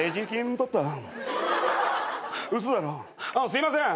すいません。